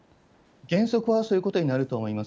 原則はそういうことになると思います。